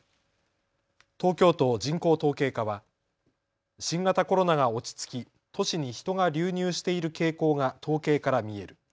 東京都人口統計課は新型コロナが落ち着き都市に人が流入している傾向が統計から見える。